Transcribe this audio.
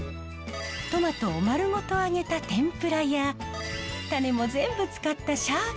トマトを丸ごと揚げた天ぷらや種も全部使ったシャーベット。